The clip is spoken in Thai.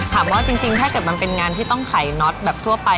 ถามว่าจริงถ้าเกิดมันเป็นงานที่ต้องใส่น็อตแบบทั่วไป